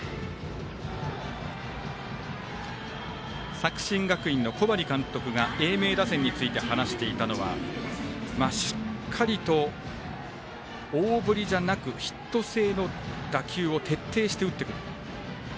作新学院の小針監督が英明打線について話していたのはしっかりと大振りじゃなくヒット性の打球を徹底して打っていく。